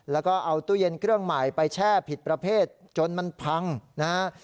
แล้วก็เอาตู้เย็นเครื่องใหม่ไปแช่ผิดประเภทจนมันพังนะฮะ